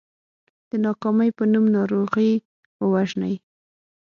د ناکامۍ په نوم ناروغي ووژنئ .